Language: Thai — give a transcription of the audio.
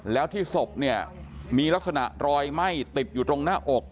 แล้วที่ศพเนี่ยมีลักษณะรอยไหม้ติดอยู่ตรงหน้าอก